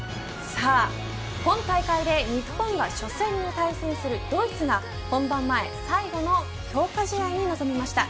今大会で日本が初戦を対戦するドイツが本番前最後の強化試合に臨みました。